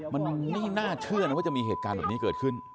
มันไม่น่าเชื่อนะว่าจะมีเหตุการณ์แบบนี้เกิดขึ้น